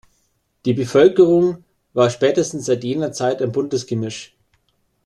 Die Bevölkerung war spätestens seit jener Zeit ein buntes Gemisch.